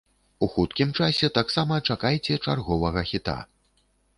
У хуткім часе таксама чакайце чарговага хіта.